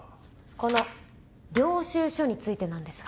この領収書についてなんですが。